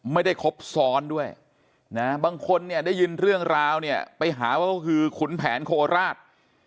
ไม่ได้ครบซ้อนด้วยบางคนได้ยินเรื่องราวไปหาว่าคุณแผนโคราช